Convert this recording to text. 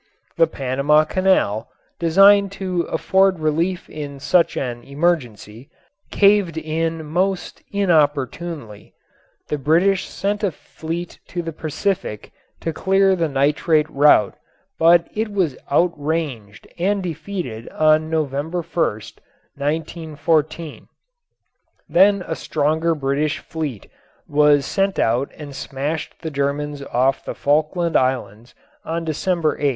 The Panama Canal, designed to afford relief in such an emergency, caved in most inopportunely. The British sent a fleet to the Pacific to clear the nitrate route, but it was outranged and defeated on November 1, 1914. Then a stronger British fleet was sent out and smashed the Germans off the Falkland Islands on December 8.